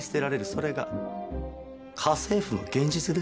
それが家政婦の現実です。